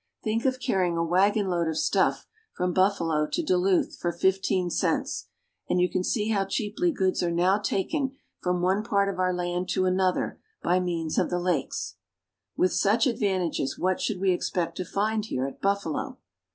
Think of carrying a wagonload of stuff from Buffalo to Duluth for fifteen cents, and you can see how cheaply goods are now taken from one part of our land to another by means of the lakes. With such advantages, what should we expect to find here at Buffalo